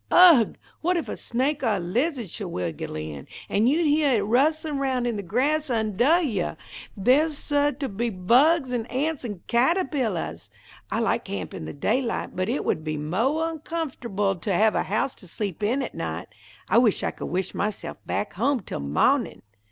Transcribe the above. Ugh! What if a snake or a liz'ad should wiggle in, and you'd heah it rustlin' around in the grass undah you! There's suah to be bugs and ants and cattahpillahs. I like camp in the daylight, but it would be moah comfortable to have a house to sleep in at night. I wish I could wish myself back home till mawnin'."